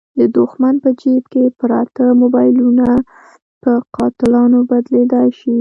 د دوښمن په جیب کې پراته موبایلونه په قاتلانو بدلېدلای شي.